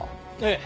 ええ。